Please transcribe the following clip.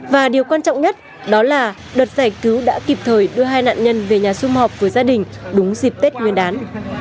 và điều quan trọng nhất đó là đợt giải cứu đã kịp thời đưa hai nạn nhân về nhà xung họp với gia đình đúng dịp tết nguyên đán